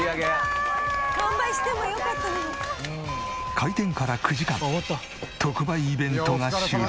開店から９時間特売イベントが終了。